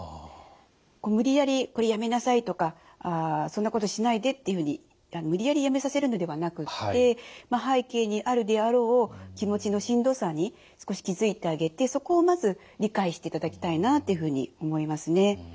無理やり「これやめなさい」とか「そんなことしないで」っていうふうに無理やりやめさせるのではなくって背景にあるであろう気持ちのしんどさに少し気付いてあげてそこをまず理解していただきたいなというふうに思いますね。